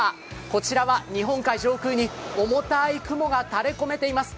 こちらは、日本海上空に重たい雲が垂れ込めています。